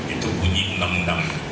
itu bunyi undang undang